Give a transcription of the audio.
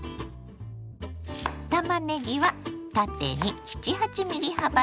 たまねぎは縦に７８ｍｍ幅に切ります。